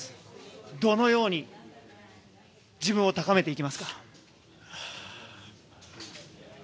どのように自分を高めていきますか？